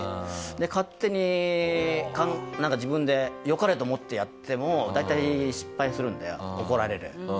で勝手になんか自分でよかれと思ってやっても大体失敗するんで怒られる。